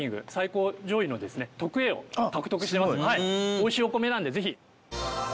おいしいお米なんでぜひ。